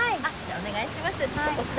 お願いします。